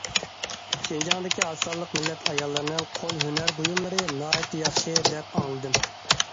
شىنجاڭدىكى ئاز سانلىق مىللەت ئاياللارنىڭ قول ھۈنەر بۇيۇملىرى ناھايىتى ياخشى دەپ ئاڭلىدىم.